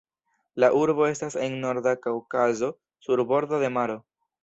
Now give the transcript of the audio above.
La urbo estas en Norda Kaŭkazo sur bordo de maro.